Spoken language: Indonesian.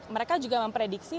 mereka juga memprediksi